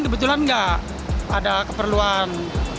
kebetulan enggak ada keperluan